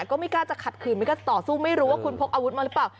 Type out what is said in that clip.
ก็ไม่กล้าจะขัดขืนไม่กล้าต่อสู้ไม่รู้ว่าคุณพกอาวุธมาหรือเปล่า